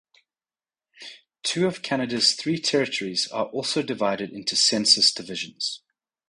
Two of Canada's three territories are also divided into census divisions.